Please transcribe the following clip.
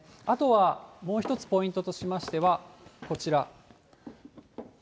あとはもう一つ、ポイントとしましてはこちら。